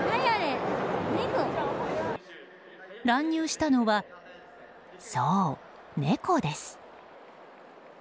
乱入したのはそう、猫です。